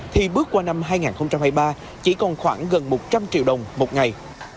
thì bước qua năm hai nghìn hai mươi ba chỉ còn khoảng gần một trăm linh triệu đồng một ngày